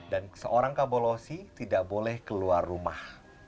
dan seorang kabolosi tidak boleh keluar rumah